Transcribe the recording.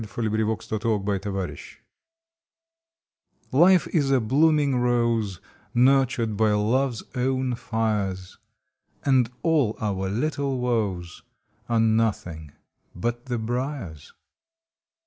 July Eighteenth LIFE T IFE is a blooming rose *^ Nurtured by Love s own fires, And all our little woes Are nothing but the briars.